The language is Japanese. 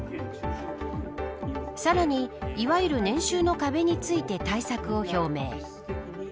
さらにいわゆる年収の壁について対策を表明。